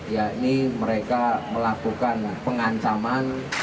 yakni mereka melakukan pengansaman